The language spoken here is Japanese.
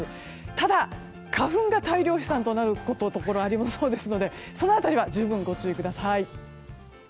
ただ、花粉が大量飛散となるところがありますのでその辺りは十分ご注意ください。